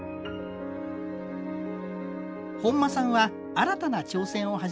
本間さんは新たな挑戦を始めています。